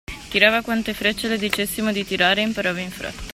Tirava quante frecce le dicessimo di tirare e imparava in fretta.